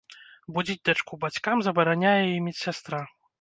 Будзіць дачку бацькам забараняе і медсястра.